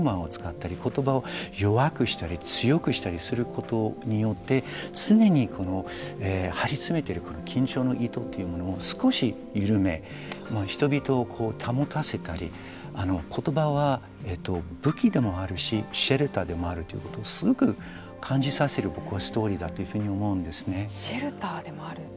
桑子さん、この状況の中でやっぱりユーモアを使ったり言葉を弱くしたり強くしたりすることによって常に張り詰めている緊張の糸というものを少し緩め人々を保たせたり言葉は武器でもあるしシェルターでもあるということですごく感じさせる僕はストーリーだというふうにシェルターでもあると。